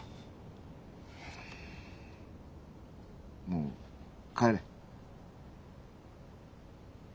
もう帰れ。